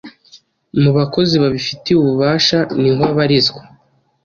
mubakozi babifitiye ububasha niho abarizwa